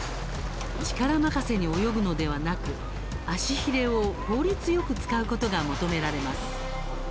力任せに泳ぐのではなく足ヒレを効率よく使うことが求められます。